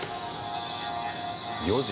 ４時。